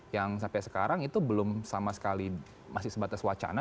yang sampai sekarang itu belum sama sekali masih sebatas wacana